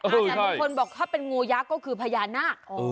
แต่บางคนบอกถ้าเป็นงูยักษ์ก็คือพญานาค